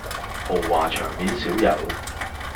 豪華場面少有